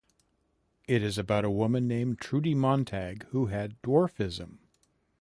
It is about a woman named Trudi Montag who has dwarfism.